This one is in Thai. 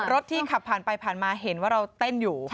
ที่ขับผ่านไปผ่านมาเห็นว่าเราเต้นอยู่